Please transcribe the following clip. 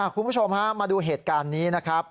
คุณผู้ชมฮะมาดูเหตุการณ์นี้นะครับ